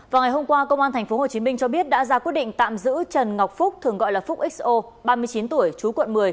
vào ngày hôm qua công an tp hcm cho biết đã ra quyết định tạm giữ trần ngọc phúc thường gọi là phúc xo ba mươi chín tuổi chú quận một mươi